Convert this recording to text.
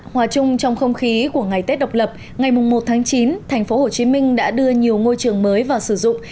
hòa chung trong không khí của ngày tết độc lập ngày một chín thành phố hồ chí minh đã đưa nhiều ngôi trường mới vào sử dụng